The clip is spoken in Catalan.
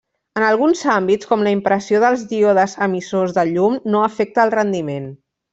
En alguns àmbits, com la impressió dels díodes emissors de llum no afecta el rendiment.